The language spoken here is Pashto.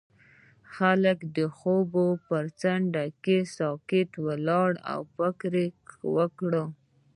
هغه د خوب پر څنډه ساکت ولاړ او فکر وکړ.